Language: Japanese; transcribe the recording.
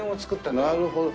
なるほど。